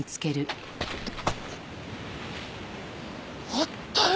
あったよ！